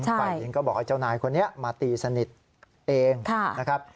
ฝ่ายหญิงก็บอกให้เจ้านายคนนี้มาตีสนิทเองนะครับ